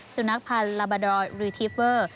ซิลนักพันธ์ลาบาดอร์ริทิเฟอร์